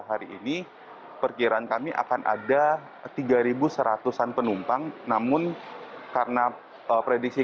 h tiga hari ini perkiraan kami akan ada tiga ribu seratus an penumpang namun karena prediksi